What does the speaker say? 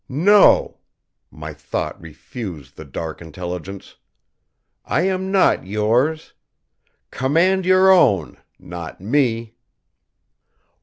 "No," my thought refused the dark intelligence. "I am not yours. Command your own, not me."